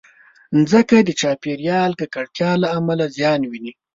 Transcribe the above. مځکه د چاپېریالي ککړتیا له امله زیان ویني.